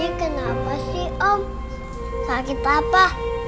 ibu ini kenapa sih om sakit apa